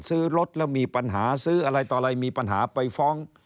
ซื้อรถแล้วมีปัญหาซื้ออะไรต่ออะไรมีปัญหาไปฟ้อง